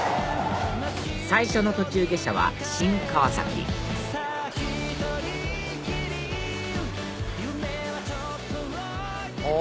最初の途中下車は新川崎お！